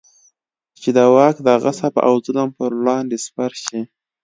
چې د واک د غصب او ظلم پر وړاندې سپر شي.